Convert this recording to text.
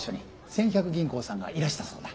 千百銀行さんがいらしたそうだ。